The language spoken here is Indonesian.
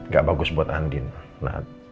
gak bagus buat andin